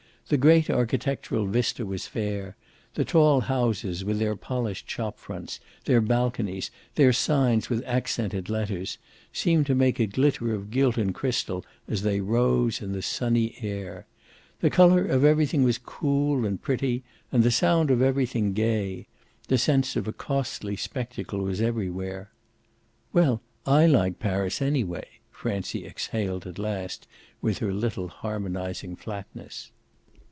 The great architectural vista was fair: the tall houses, with their polished shop fronts, their balconies, their signs with accented letters, seemed to make a glitter of gilt and crystal as they rose in the sunny air. The colour of everything was cool and pretty and the sound of everything gay; the sense of a costly spectacle was everywhere. "Well, I like Paris anyway!" Francie exhaled at last with her little harmonising flatness.